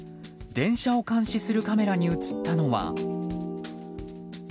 電車を監視するカメラに映ったのは。